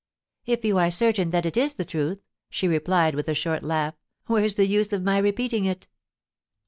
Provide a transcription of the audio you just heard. * If you are certain that it is the truth,' she replied, with a short laugh, * where's the use of my repeating it